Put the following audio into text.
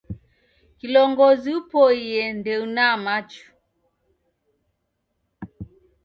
Kilongozi upoie ndeunaa machu.